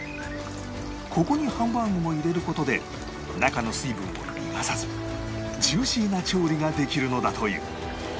ここにハンバーグを入れる事で中の水分を逃がさずジューシーな調理ができるのだという